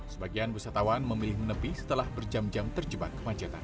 sebagian wisatawan memilih menepi setelah berjam jam terjebak kemacetan